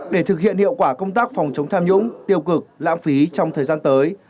để thực hiện hiệu quả công tác phòng chống tham nhũng tiêu cực lãng phí trong thời gian tới